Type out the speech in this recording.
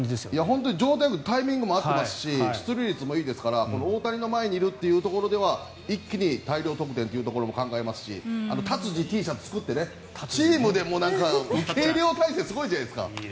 本当に状態よくタイミングもあってますし出塁率もいいですから大谷の前にいるというところでは一気に大量得点というところも考えますし達治Ｔシャツを作ってチームで体制がすごいじゃないですか。